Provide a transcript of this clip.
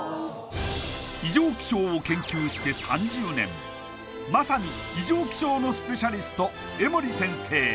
異常気象を研究して３０年まさに異常気象のスペシャリスト江守先生